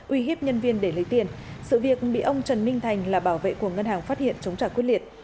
uy hiếp nhân viên để lấy tiền sự việc bị ông trần minh thành là bảo vệ của ngân hàng phát hiện chống trả quyết liệt